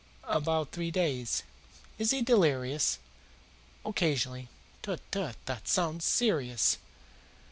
"About three days." "Is he delirious?" "Occasionally." "Tut, tut! This sounds serious.